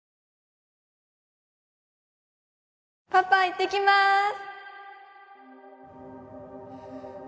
パパいってきます！